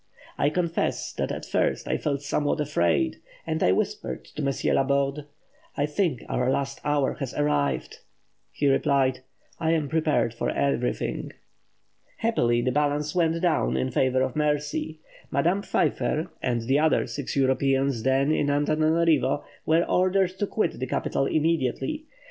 I confess that at first I felt somewhat afraid, and I whispered to M. Laborde, 'I think our last hour has arrived.' He replied, 'I am prepared for everything.'" Happily, the balance went down in favour of mercy. Madame Pfeiffer, and the other six Europeans then in Antananarivo, were ordered to quit the capital immediately.